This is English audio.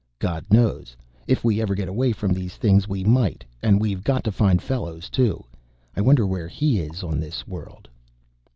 "God knows. If we ever get away from these things we might. And we've got to find Fellows, too; I wonder where he is on this world."